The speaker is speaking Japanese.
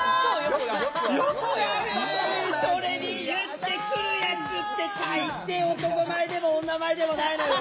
それに言ってくるやつって大抵男前でも女前でもないのよ！